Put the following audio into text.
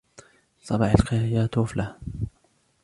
صباح الخير يا توفلا.